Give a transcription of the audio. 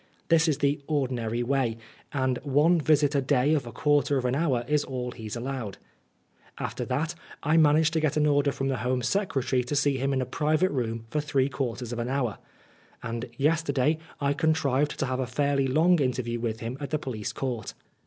This is the ordinary way, and one visit a day of a quarter of an hour is all he is allowed. After that, I managed to get an order from the Home Secretary to see him in a private room for three quarters of an hour. And yesterday I contrived to have a fairly long interview with him at the police court.